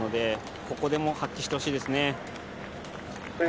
ここで発揮してほしいです。